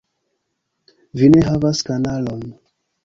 Vi ne havas kanalon